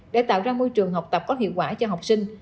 để tạo ra môi trường học tập có hiệu quả cho học sinh